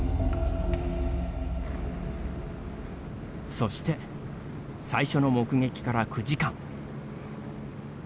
そして、最初の目撃から９時間。